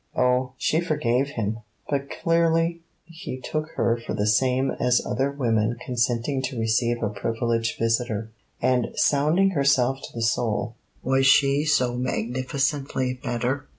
Oh, she forgave him! But clearly he took her for the same as other women consenting to receive a privileged visitor. And sounding herself to the soul, was she so magnificently better?